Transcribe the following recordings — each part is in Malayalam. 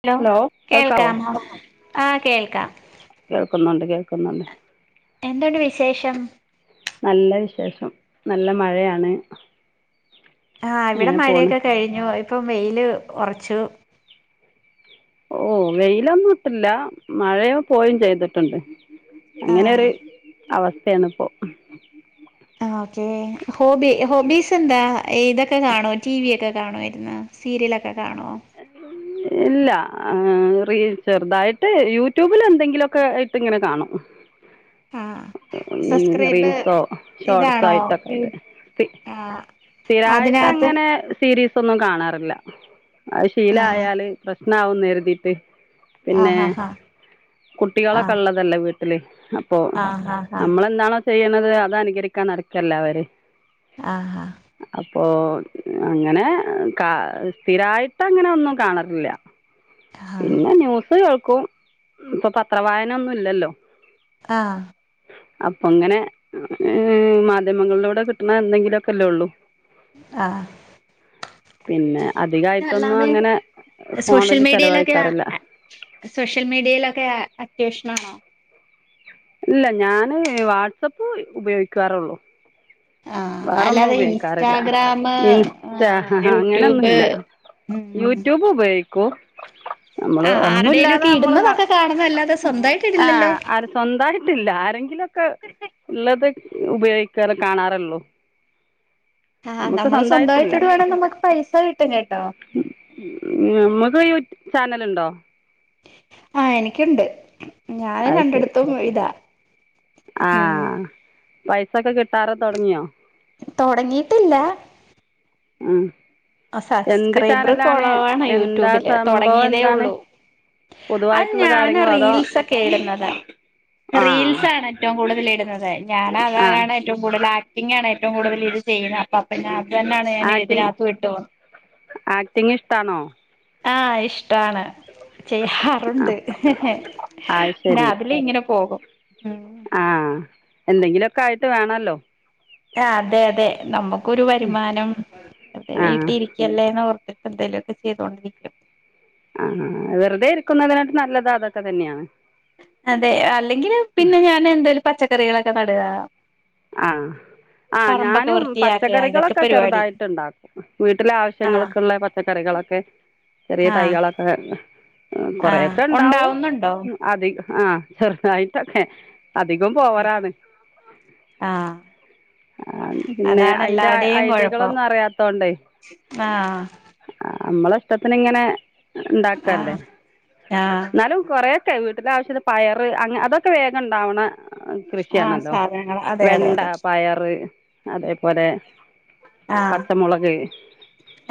ഹലോ കേൾക്കാമോ? ആഹ് കേൾക്കാം. കേൾക്കുന്നുണ്ട് കേൾക്കുന്നുണ്ട് എന്തുണ്ട് വിശേഷം? നല്ല വിശേഷം. നല്ല മഴയാണ്. ആഹ് ഇവിടെ അങ്ങനെ പോണ് മഴയൊക്കെ കഴിഞ്ഞു ഇപ്പം വെയില് ഉറച്ചു ഓഹ് വെയിലൊന്ന്ട്ടില്ല മഴയോ പോയും ചെയ്തിട്ടുണ്ട് അങ്ങനെ ആഹ് ഒരു അവസ്ഥയാണിപ്പോ ആഹ് ഓക്കേ ഹോബി ഹോബീസെന്താ? ഇതൊക്കെ കാണോ ടി വി ഒക്കെ കാണോയിരുന്ന? സീരിലൊക്കെ കാണോ? ഇല്ല ചെറുതായിട്ട് യൂട്യൂബിൽ എന്തെങ്കിലുമൊക്കെ ആയിട്ട് ഇങ്ങനെ കാണും. [inaudible] ഉം സബ്സ്ക്രൈബ് റീൽസോ ഇതാണോ ഷോർട്സായിട്ടൊക്കെ. ആഹ് അതിനകത്ത് സ്ഥിരായിട്ടങ്ങനെ സീരീസൊന്നും കാണാറില്ല അത് ആഹ് ശീലായാല് പ്രശ്നാവുംന്ന് കരുതിട്ട് പിന്നെ ആഹ് ആഹ് കുട്ടികളൊക്കെ ഉള്ളതല്ലേ വീട്ടില് ഇപ്പൊ ആഹ് ആഹ് ആഹ് നമ്മളെന്താണോ ചെയ്യുന്നത് അത് അനുകരിക്കാൻ നടക്കല്ലെ അവര് ആഹാ ആഹ് അപ്പൊ അങ്ങനെ കാ സ്ഥിരായിട്ട് അങ്ങനെ ഒന്നും കാണറില്ല. ആഹ് ആഹ് ആഹ് പിന്നെ ന്യൂസ് കേൾക്കും ഇപ്പൊ പത്രവായന ഒന്നുല്ലല്ലോ ആഹ് അപ്പൊ ങ്ങനെ മാധ്യമങ്ങളിലൂടെ കിട്ടണ എന്തെങ്കിലുമൊക്കെല്ലേ ഉള്ളൂ ആഹ് പിന്നെ അധികായിട്ടൊന്നും പിന്നല്ലാതെ അങ്ങനെ സോഷ്യൽ ഫോണില് മീഡിയേലൊക്കെ ആ ചെലവഴിക്കാറില്ല സോഷ്യൽ മീഡിയലൊക്കെ അത്യാവേഷണം ഇല്ല ഞാൻ വാട്സാപ്പ് ഉപയോഗിക്കാറുള്ളൂ ആഹ് വേറൊന്നും അല്ലാതെ ഉപയോഗിക്കാറില്ല. ഇൻസ്റ്റാഗ്രാം ഇൻസ്റ്റ ആഹ് ഹാ ഹാ യൂട്യൂബ് അങ്ങനെയൊന്നുമില്ല. ഉം യൂട്യൂബ് ഉപയോഗിക്കും. നമ്മള് ആഹ് ആരുടെേലും ഒന്നുമല്ലാതെ ഒക്കെ നമ്മള് ന്ന ഇടുന്നതൊക്കെ കാണുന്ന അല്ലാതെ സ്വന്തമായിട്ട് ഇടില്ലല്ലോ ആഹ് സ്വന്തായിട്ടില്ല. ആരെങ്കിലുമൊക്കെ ഉള്ളത് ഉപയോഗിക്കാറ് കാണാറുള്ളൂ. ആഹ് നമുക്ക് നമ്മള് സ്വന്തായിട്ടില്ല സ്വന്തമായിട്ടോട് വേണം നമുക്ക് പൈസ കിട്ടും കേട്ടോ നമുക്ക് യൂട്യൂബ് ചാനലുണ്ടോ ആഹ് എനിക്കുണ്ട് ഞാൻ അത് ശരി രണ്ടടത്തും ഇതാ ഉം ആഹ് പൈസൊക്കെ കിട്ടാറ് തുടങ്ങിയോ? തുടങ്ങിട്ടില്ല ഉം എന്ത് സബ്സ്ക്രൈബർ ചാനലാണ് കോറവാണ എന്താ യൂട്യൂബില് സംഭവം തുടങ്ങിയതേ എന്താണ് ഉള്ളൂ അത് പൊതുവായിട്ടുള്ള ഞൻ കാര്യങ്ങളോ അതോ റീൽസൊക്കെ ഇടുന്നത് ആഹ് റീൽസാണ് ഏറ്റവും കൂടുതൽ ഇടുന്നത് ഞാൻ ആഹ് അതാണ് ഏറ്റവും കൂടുതൽ ആക്ടിങ്ങാണ് ഏറ്റവും കൂടുതൽ ഇത് ചെയ്യുന്നത് [unintelligible] ത്തന്നെയാണ് ഞാൻ ആക്ടിങ് ഇതിനകത്ത് വിട്ടുപോന്ന്. ആക്ടിങ് ഇഷ്ടണോ ആഹ് ഇഷ്ടാണ്. ആഹ് ചെയ്യാറുണ്ട് അത് പിന്നെ ശരി അതില് ഇങ്ങനെ പോകും ഉം. ആഹ് എന്തെങ്കിലുമൊക്കെ ആയിട്ട് വേണല്ലോ. ആഹ് അതെ അതെ നമ്മക്കൊരു വരുമാനം വെറുതെ ആഹ് വീട്ടിരി എല്ലേന്നോർറത്തിട്ടന്തേ ലൊക്കെ ചെയ്തോണ്ടരിക്കും ആഹ് ആഹ് ആഹ് വെറുതെ ഇരിക്കുന്നതിനായിട്ട് ന്നല്ല ത് അതൊക്കെ തന്നെയാണ് അതെ അല്ലെങ്കിൽ പിന്നെ ഞാൻ എന്തേലും പച്ചക്കറികളൊക്കെ ന്നടാ ആഹ് ആഹ് ഞാനും വൃത്തിയാക്കുക ഇതൊക്കെ പച്ചക്കറികളൊക്കെ പരിപാടി ചെറുതായിട്ട് ണ്ടാക്കും വീട്ടിലെ ആഹ് ആവശ്യങ്ങൾക് ള്ളെ പ പച്ചക്കറികളൊക്കെ ചെറിയ ആഹ് തൈയ്യേളെക്കെ ആഹ് കൊറേക്കണ്ടാവും ഉണ്ടാവുന്നുണ്ടോ അദി ആഹ് ചെറുതായിട്ടൊക്കെ അധികം പോവറാണ് ആഹ് ആഹ് പിന്നെ അതാണ് അയ്ന്റെ എല്ലാവരുടെയും ഐ കുഴപ്പം ടിയകളൊന്നും അറ്യാത്തോണ്ടേ ആഹ് ആഹ് മ്മളെഇഷ്ട്ടത്തിനി ങ്ങനെ ണ്ടാക്ക്ല്ലേ ആഹ് ആഹ് ന്നാലും കൊറേ ക്കെ വീട്ടിലാവശ്യത്ത് ന്പയറ് അ ങ്ങഅതൊക്കെ വേഗ ണ്ടാ ആഹ് വ്ണകൃഷ്വാണല്ലോ സാധനങ്ങൾ അതെ അതെ വെണ്ടാ അതെ പയറ് അതേപോലെ ആഹ് പച്ചമൊളക്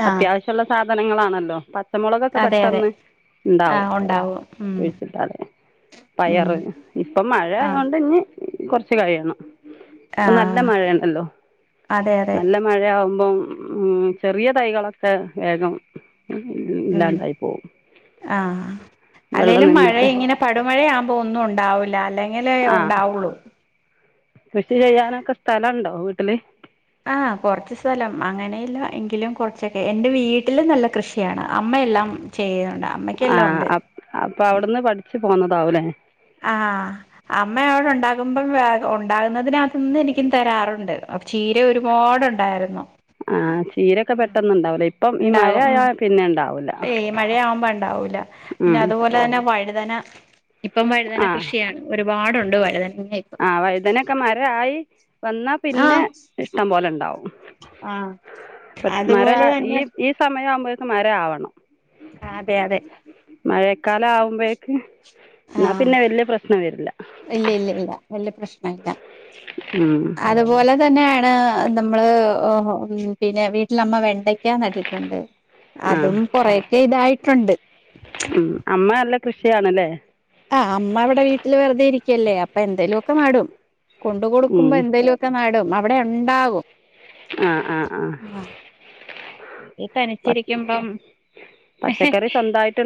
ആഹ് അത്യാവ്യശ്യള്ള സാധനങ്ങളാണല്ലോ ച്ചമൊളകൊക്കെ അതെ അതെ പെട്ടെന്ന് ണ്ടാവും ആഹ് ഉണ്ടാവും ഉം കുഴിച്ചിട്ടാടെ ഉം പയറ് ഇപ്പം മഴ ആഹ് യോണ്ട് ഞ് കൊറ്ച്ച് കഴിയണം പ്പം നല്ല ആഹ് മഴ ണ്ടല്ലോ അതെ അതെ നല്ല മഴ്യവുമ്പം ഉമ് ചെറിയ തൈകളൊക്കെ വേഗം [inaudible] ഉം ഇല്ലാണ്ടായിപ്പോവും ആഹ് അല്ലേലും മഴ നിന്നിട്ട് ഇങ്ങ്യനെ പടുമഴയാവ്മ്പോ ഒന്നും ഉണ്ടാവില്ല അല്ലെങ്കിലേ ഉണ്ടാവൊള്ളു കൃഷിചെയ്യാനൊക്കെ സ്ഥലണ്ടോ വീട്ടില് ആഹ് കൊറ്ച്ച്സ്ഥലം അങ്ങനെയില്ല എങ്കിലും കൊർചെക്കെ എന്റെ വീട്ടില് നല്ലകൃഷിയാണ് അമ്മയെല്ലാം ചെയ്യേണ്ടാ ആഹ് അപ്അപ്പാവ്ട്ന്ന് പഠിച്ച് പോന്നതാവുലേ ആഹ് അമ്മ വിടെണ്ടാകുമ്പം വേഗംഉണ്ടാകുന്നതിനകത്ത്ന്ന് എനിക്കും തരാറുണ്ട് ചീര ഒരുപാടുണ്ടായിരുന്നു ആഹ് ചീരക്കെ പെട്ടന്ന്ണ്ടാവുലേ ഇപ്പം ഈ ഉണ്ടാവും ഉം മഴയാപിന്നെണ്ടാവൂല ഏയ് മഴയാവുമ്പോ ണ്ടാവൂല പിന്നെ അതുപോലെതന്നെ വഴുതന ഇപ്പം ആഹ് വഴുതനകൃഷ്വാണ് ഒരുപാടുണ്ട് വഴുതന [inaudible] ആഹ് വൈതനൊക്കെ മരായി വന്നാപിന്നെ ഇഷ്ട്ടം പോലേണ്ടാവും ആഹ് [unintelligible] മരാ അതുപോലെ ഈ തന്നെ ഈ സമയാവുമ്പൊഴേക്കും മരാആവണം ആതെ യാതെ മഴക്കാലാവുമ്പൊഴേക്ക് ന്നാപിന്നെവല്യ പ്രശ്നം വരില്ല ഇല്ലില്ലില്ല വല്യപ്രശ്നല്ല ഉം അതുപോലെതന്നേണ് നമ്മള് അഹ് പിന്നെ വീട്ടിലമ്മ വെണ്ടയ് ക്ക നട്ടിട്ടുണ്ട് ആഹ് അതും കൊറേക്കെ തായിട്ടുണ്ട് ഉംഅമ്മനല്ല കൃഷിയാണ്ല്ലേ ആഹ് അമ്മ അവിടെ വീട്ടിൽ വെറുതെ ഇര്ക്ക്വല്ലേ അപ്പൊ എന്തേലൊക്കെ നടും ഉം കൊണ്ടുകൊടുക്കുമ്പോ എന്തേലൊ ക്കെ നടും അവിടേയുണ്ടാവും ആഹ് ആഹ് ആഹ് ഇ പ തനിച്ചിരിക്കുമ്പം എഹെ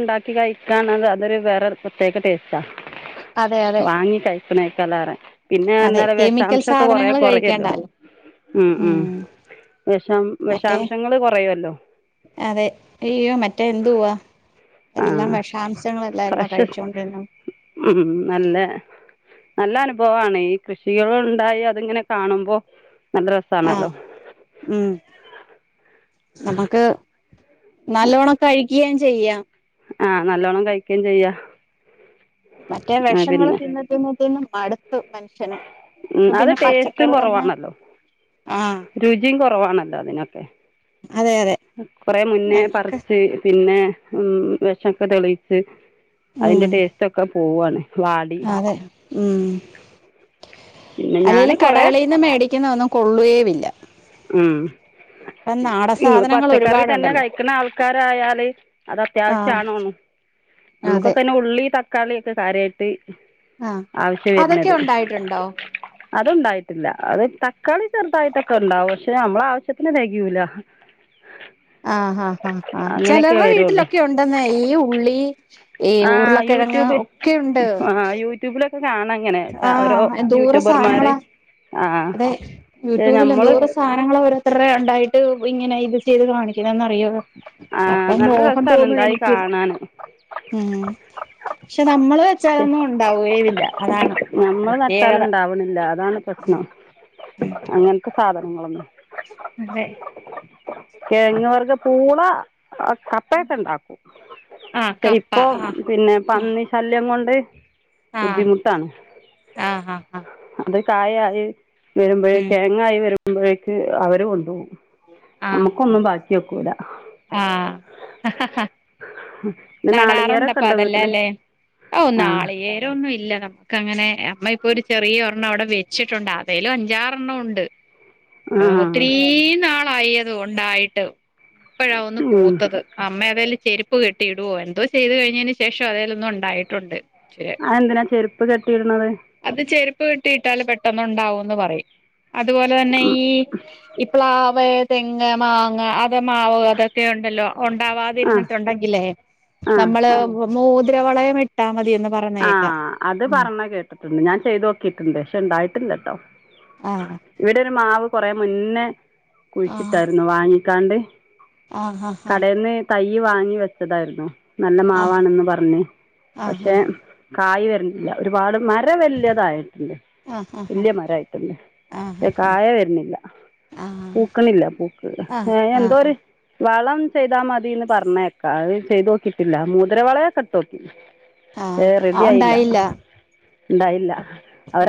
ണ്ടാക്കികഴിക്കാന്നത് അതൊരു വേറെ പ്രത്യേക ടേസ്റ്റാ അതെ അതെ വാങ്ങികഴി [unintelligible] പിന്നെ അതെ എന്നാലെ കെമിക്കൽ വെഷാംശൊക്കെ കൊറേ സാധനങ്ങൾ കൊറെയൊല്ലോ കഴിക്കേണ്ടല്ലോ ഉംഉം ഉം വെഷാം മറ്റേ വെഷാം ശങ്ങൾ കൊറെയൊല്ലോ അതെ അയ്യൊമറ്റേ എന്തു വാ ആ എല്ലാം വെഷാംശങ്ങളല്ലായിരുന്നോ ഫ്രഷ് കഴിച്ചൊണ്ടിരുന്ന് ഉം നല്ല നല്ല അനുഭവമാണ് ഈ കൃഷികൾ ഉണ്ടായി അതിങ്ങനെ കാണുമ്പോ നല്ല ആഹ് രസാണല്ലോ ഉം നമക്ക് നല്ലോണം കഴിക്കുകയും ചെയ്യാം ആഹ് നല്ലോണ്ണം കഴിക്കുകയും ചെയ്യാം മറ്റേ ആ വെഷങ്ങള് പിന്നെ തിന്ന് തിന്ന് തിന്നു മടുത്തു മനുഷ്യന് ഉം അത് പിന്നെ പച്ചക്കറി തന്നെ ആഹ് രുചിംകൊറവാണല്ലോ അതിനൊക്കേ അതെ അതെ കൊറെ മുന്നേ ഞങ്ങൾക്ക് പറിച്ച് പിന്നെ ഉം വിഷമൊക്കെ തെളിച്ച് അതിന്റെ ഉം ടേസ്റ്റ് ഒക്കെ പോവാണ്. വാടി അതെ ഉം പിന്നെ അല്ലെങ്കില് ഞാന് കൊറെ കടകളീന്ന് മേടിക്കുന്ന ഒന്നും കൊള്ളുവേ ഇല്ല ഉം സാധനങ്ങൾ പച്ചക്കറി തന്നെ ഒരുപാടുണ്ടല്ലോ കഴിക്കണ ആൾക്കാരായാല് അത് ആഹ് അത്യാവശ്യണ് അതെ നമ്മുക്കൊക്കെന്നെ ഉള്ളി തക്കാളി ഒക്കെ കാര്യയിട്ട് ആഹ് ആവശ്യം അതൊക്കെ വരുന്നത് ഉണ്ടായിട്ടുണ്ടോ അത്ണ്ടായിട്ടില്ല അത് തക്കാളി ചെറുതായിട്ടൊക്കെ ഉണ്ടാവും പക്ഷെ അമ്മള ആവശ്യത്തിന് തികയൂല ആഹ് ആഹ് ആഹ് ആ അങ്ങനെയൊക്കെ ചെലരുടെ വരുള്ളൂ വീട്ടിലൊക്കെ ഉണ്ടെന്നെ ഈ ഉള്ളി ഈ ആ ഉരുളക്കിഴങ്ങ് യൂട്യൂബ് ഒക്കെയുണ്ട് ആ യൂട്യൂബിലൊക്കെ കാണാ ഇങ്ങനെ ഓരോ എന്തോരം യൂട്യൂബർമാര് സാധനങ്ങളാ അതെ ആഹ് യൂട്യൂബിൽ ഞമ്മള് എന്തോരം സാധനങ്ങൾ ഓരോരുത്തരുടെ ഉണ്ടായിട്ട് ഇങ്ങനെ ഇത് ചെയ്ത് കാണിക്കുന്നന്ന്റിയോ ആ അപ്പം നല്ല മോഹം രസാണ് തോന്നും ഉണ്ടായി എനിക്കും. കാണാന് ഉം പക്ഷെ നമ്മള് വെ. ച്ചതൊന്നും ഉണ്ടാവുകയുമില്ല അതാണ് നമ്മള് നട്ടാല് പ്രത്യേകത ഇണ്ടാവണില്ല അതാണ് പ്രശ്നം ഉം അങ്ങനത്തെ സാധനങ്ങളൊന്നും അതെ കെ ഴങ്ങ് വർഗം പൂള ആ കപ്പയൊക്കെ ഉണ്ടാക്കും ആഹ് കപ്പ ഇപ്പൊ ആഹ് പിന്നെ പന്നി ശല്യം കൊണ്ട് വരെ ആഹ് ബുദ്ധിമുട്ടാണ് ആഹ് ആഹ് ആഹ് ആഹ് അത് കായായ് വരുമ്പോഴേ ഉം കെയങ്ങായി വരുമ്പോഴേക്ക് അവര് കൊണ്ടുപോകും നമ്മുക്ക്‌ ആഹ് ഒന്നും ബാക്കി കേക്കൂല. ആഹ് പിന്നെ നാളികേരൊക്കെണ്ടോ വീട്ടില് ഔ ആഹ് നാളികേരമൊന്നുമില്ല അങ്ങനെ അമ്മ ഇപ്പൊ ഒരു ചെറിയ ഒരെണ്ണം അവിടെ വെച്ചിട്ടുണ്ട് അതേലും അഞ്ചാറെ എണ്ണം ഉണ്ട് ആ ആഹ് ഒത്തിരി നാളായിത് ഉണ്ടായിട്ട് ഇപ്പഴാ ഒന്ന് ഉം പൂത്തത് അമ്മ അതേൽ ചെരുപ്പ് കെട്ടി ഇടുവോ എന്തോ ചെയ്തു കഴിഞ്ഞതിന് ശേഷം അതേലൊന്നും ഉണ്ടായിട്ടുണ്ട് അത് എന്തിനാ ചെരുപ്പ് കെട്ടിയിടുന്നത് അത് ചെരുപ്പ് കെട്ടി ഇട്ടാല് പെട്ടെന്നുണ്ടാവുന്ന് പറയും അതുപോലെ തന്നെ ഉം ഈ- ഈ പ്ലാവ് തെങ്ങ് മാങ്ങ മാവ് അതൊക്കെ ഉണ്ടല്ലോ ആഹ് ഉണ്ടാവാതിരുന്നിട്ടുണ്ടെങ്കിലേ നമ്മള് മോതിരവളയം ഇട്ട് ആ അത് പറഞ്ഞു കേട്ടിട്ടുണ്ട് ഞാൻ ചെയ്ത് നോക്കിട്ടുണ്ട് പക്ഷെ ഉണ്ടായിട്ടില്ല കേട്ടോ ആഹ് ആഹ് ഇവിടെ ഒരു മാവ് കൊറ മുന്നേ ആഹ് കുഴിച്ചിട്ടായിരുന്നു വാങ്ങിക്കാണ്ട് ആഹ് കടയിൽന്ന് തൈ വാങ്ങി വെച്ചതായിരുന്നു നല്ല ആഹ് മാവാണെന്ന് പറഞ്ഞ് ആഹ് പക്ഷെ കായ് വരണില്ല ഒരുപാട് മരം വല്ലൃതായിട്ടുണ്ട് ആഹ് വല്യ മരായിട്ടുണ്ട് പക്ഷെ ആഹ് കായ് വരുന്നില്ല ആഹ് ആഹ് ആഹ് പൂക്കണില്ല പൂക്ക് ആഹ് ഏഹ് ആഹ് ആഹ് എന്തോര് ആഹ് വളം ചെയ്താ മതിന്ന് പറഞ്ഞേക്കാ അഹ് ചെയ്തോക്കിട്ടില്ല മൂതിരവളക്കെട്ടോക്കി. ഏഹ് ആഹ് റെഡി ആയില്ല ഉണ്ടായില്ല ണ്ടായില്ല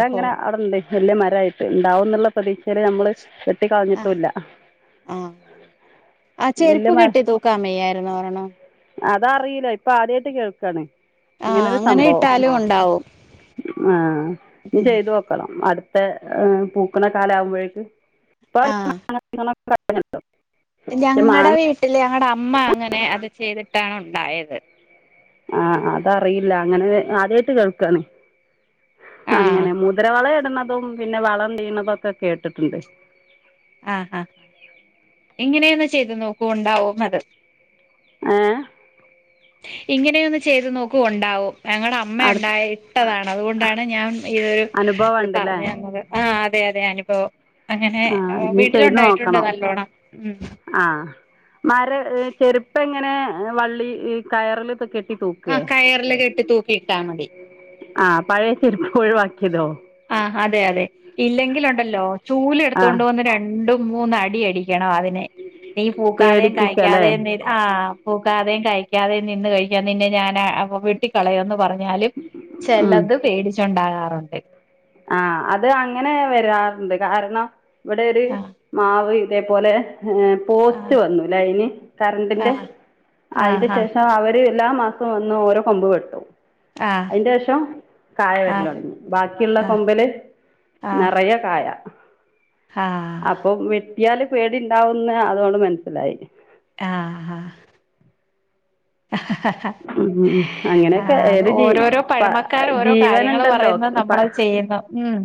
ഓഹോ അവിടണ്ട്. വല്യ മരയിട്ട് ഉണ്ടാവും ന്നുള്ള പ്രതീക്ഷയില് നമ്മള് വെട്ടി ആഹ് കളഞ്ഞിട്ടുല്ല. ആഹ് ചെരുപ്പ് കെട്ടി തൂക്കാമെയ്യായിരുന്നു ഒരെണോ അതറിയില്ല ഇപ്പൊ ആദ്യയിട്ട് കേൾക്കണ്. ആഹ് ഇങ്ങനരു അങ്ങനെ സംഭവം ഇട്ടാലും ഉണ്ടാവും ആഹ് ഞ് ചെയ്തൊ കണം അടുത്ത ഏഹ് പൂക്കണ കാലം ആകുമ്പോഴേക്ക്. ആഹ് കണം [unintelligible] ഞങ്ങടെ വീട്ടില് ഞങ്ങടെ അമ്മ അങ്ങനെ അത് ചെയ്തിട്ടാണ് ഉണ്ടായത്. ആഹ് അതറിയില്ല അങ്ങനെ ആദ്യയിട്ട് കേൾക്കണ്. ആഹ് അങ്ങനെ മുദരവളടുന്നതും പിന്നെ വളംചെയ്യണതും ഒക്കെ കേട്ടിട്ടുണ്ട്. ആഹ് ആഹ് ഇങ്ങനെയൊന്ന് ചെയ്ത് നോക്കൂ ണ്ടാവും അത്. ഏഹ് ഇങ്ങനെയന്ന് ചെയ്ത് നോക് ഉണ്ടാവും ഞങടെ അ അടു അമ്മയണ്ടായിട്ടതാണ് അതുകൊണ്ടാണ് ഞാൻ ഇതൊരു അനുഭവം ഇത് ഉണ്ടല്ലേ പറഞ്ഞു തന്നത്. ആഹ് അതെ അതെ അനുഭവം അങ്ങനെ ആ ഇനി വീട്ടിലുണ്ടായിട്ടുണ്ട് നല്ലോണം ഉം ആഹ് മര ചെരുപ്പ എങ്ങനെ വള്ളി കയറിലക്കൊ കെ ആഹ് കയറില് കെട്ടിതൂക്കി ഇട്ടാ മതി. ആഹ് പഴയ ചെരുപ്പ് ഒഴിവാക്കിയതോ? ആഹ് അതെ അതെ ഇല്ലെങ്കിലുണ്ടല്ലോ ചൂലടുതു ആ കൊണ്ട് വന്ന് രണ്ടും മൂന്ന് അടിയടി ക്ക്യണോ അതിനെ നീ പൂക്കാതെയും പേടിപ്പിക്കുക അല്ലേ കഴിക്കാതെയും ന്തേ ആഹ് പൂക്കാതെയും കഴിക്കാതെയും നിന്ന് കഴിഞാ നിന്നെ ഞാനാ വെട്ടിക്കളയന്ന് പറ ഞാലും ചിലത് പേടിച്ചുണ്ടാകാറുണ്ട്. ആഹ് അത് അങ്ങനെ വരാറുണ്ട് കാരണം വിടെ ഒരു ആഹ് മാവ് ഇതേപോലെ ഏഹ് പോസ്റ്റ് ആഹ് വന്നു ലൈൻ കരണ്ടിന്റെ ആഹ് അയ്ന്റെ ആഹ് ശേഷവര് എല്ലാ മാസവും ഒന്ന് ഓരോ കൊമ്പ് വെട്ടും. ആഹ് അയ്ന്റെഷം കായ ആഹ് വരലൊടങ്ങി ബാക്കിയുള്ള ആഹ് കൊമ്പല് ആഹ് നിറ രെയ കായ ആഹ് അപ്പൊ പി ട്ട്യാല് പേടിണ്ടാവുന്ന് അതോണ്ട് മനസ്സിലായി. ആഹ് ഹ ഹ ഹ ഉം അങ്ങനെയൊക്കെ ആത് ഏത് ജീ ഓരോരോ പ പഴമക്കാർ ഓരോ കാര്യങ്ങൾ ജീവനുണ്ടല്ലോ പറയുന്നത് നമ്മളഹ് ചെയ്യുന്നു ഉം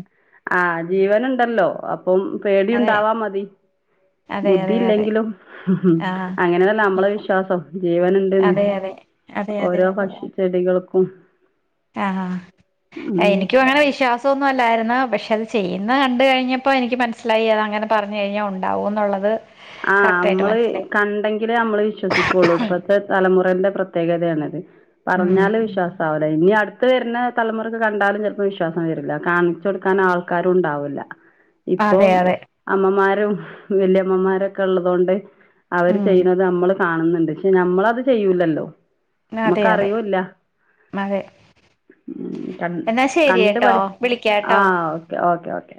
ആഹ് ജീവൻ ഉണ്ടല്ലോ അപ്പം അതെ പേടിണ്ടാവാ മതി. അതെ അതെ അതെ ബുദ്ധിയില്ലെങ്കിലുംഉം ഉം ആഹ് അങ്ങനതല്ല നമ്മളെ വിശ്വാസം ജീവന്ണ്ട്ന്ന് അതെ അതെ അതെ അതെ ഓരോ അതെ പക്ഷി ചെടികൾക്കും ആഹ് ഹാ ഉം എനിക്ക് വാണ വിശ്വാ തുന്നുല്ലായിരുന്നു പക്ഷേ അത് ചെയ്യുന്നഹ് കണ്ട് കഴിഞ്ഞപ്പോ എനിക്ക് മനസ്സിലായി അത അങ്ങനെ പറഞ് കഴിഞ്ഞാ ഉണ്ടാവോന്നുള്ളത്. ആഹ് അമ്മള് കണ്ടെ ങ്കിലെ അമ്മള് വിശ്വസിക്കുള്ളൂ ഇപ്പഴത്തെ തലമുറന്റെ പ്രത്യേകതയാണത് ഉം പറഞ്ഞാല് വിശ്വാ സാഉല ഇനി അടുത്ത് വരുന്ന തലമുറക്ക് കണ്ടാലും ചിലപ്പോം വിശ്വാസം വരില്ല കാണിച്ചു കൊടുക്കാൻ ആൾക്കാരും ഉണ്ടാവൂല്ല. ഇപ്പൊ അതെ അമ്മമാരും വല്യ ആഹ് ള്ളോണ്ട് അവര് ചെയ്യുന്നത് നമ്മള് കാണുന്നുണ്ട് പക്ഷെ നമ്മളത് ചെയ്യൂലല്ലോ. നാതെ അതെ [unintelligible] എന്നാ ശരി കേട്ടോ കണ്ടുപഠി വിളിക്കാട്ടോ. ആഹ് ഓക്കേ ഓക്കെ ഓക്കെ